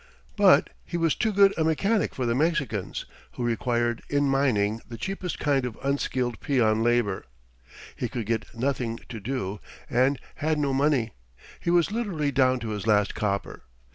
But he was too good a mechanic for the Mexicans, who required in mining the cheapest kind of unskilled peon labor. He could get nothing to do and had no money. He was literally down to his last copper.